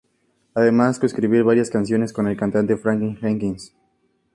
Además, coescribió varias canciones con el cantante Franklin Jenkins.